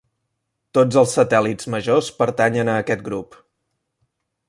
Tots els satèl·lits majors pertanyen a aquest grup.